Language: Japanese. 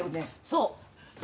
そう。